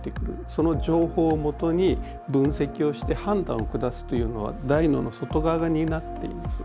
その情報をもとに分析をして判断を下すというのは大脳の外側が担っています。